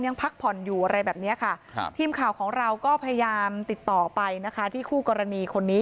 พักผ่อนอยู่อะไรแบบนี้ค่ะครับทีมข่าวของเราก็พยายามติดต่อไปนะคะที่คู่กรณีคนนี้